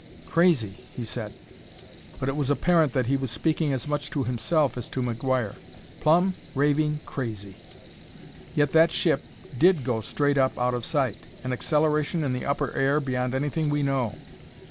"Crazy!" he said, but it was apparent that he was speaking as much to himself as to McGuire. "Plumb, raving crazy!... Yet that ship did go straight up out of sight an acceleration in the upper air beyond anything we know.